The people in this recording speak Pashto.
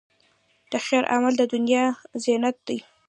د خیر عمل، د دنیا زینت دی.